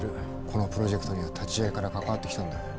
このプロジェクトには立ち上げから関わってきたんだ。